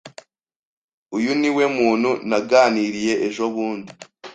Uyu niwe muntu naganiriye ejobundi.